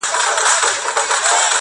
o یا دي کډه له خپل کوره بارومه,